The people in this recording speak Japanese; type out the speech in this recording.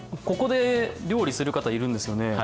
ここで料理する方いるんですよね？